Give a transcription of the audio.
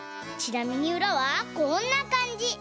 ちなみにうらはこんなかんじ！